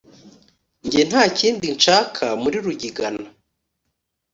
Jye nta kindi nshaka muri Rugigana